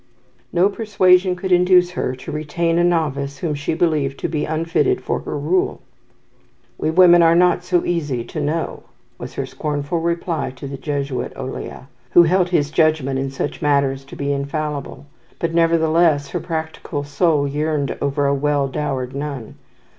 No persuasion could induce her to retain a novice whom she believed to be unfitted for her rule: "We women are not so easy to know," was her scornful reply to the Jesuit, Olea, who held his judgment in such matters to be infallible; but nevertheless her practical soul yearned over a well dowered nun.